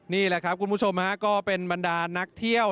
นี่แหละครับคุณผู้ชมฮะก็เป็นบรรดานักเที่ยว